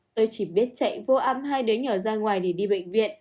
tôi chỉ biết chạy vô âm hai đứa nhỏ ra ngoài để đi bệnh viện